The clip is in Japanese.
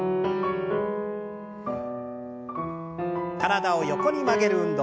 体を横に曲げる運動。